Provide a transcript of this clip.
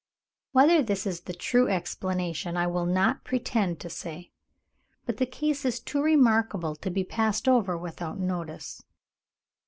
Whether this is the true explanation I will not pretend to say; but the case is too remarkable to be passed over without notice.